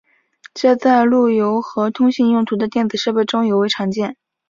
这在路由和通信用途的电子设备中尤为常见。